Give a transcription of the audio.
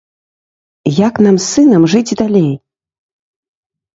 Як нам з сынам жыць далей?